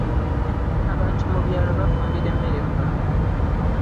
Abantu mu byalo bafumbira emmere ku nku.